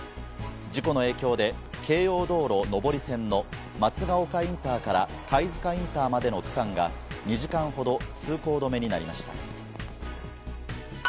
事故の影響で、京葉道路上り線の松ヶ丘インターから貝塚インターまでの区間が、２時間ほど通行止めになりました。